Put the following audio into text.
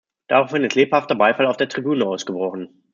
Darauf hin ist lebhafter Beifall auf der Tribüne ausgebrochen.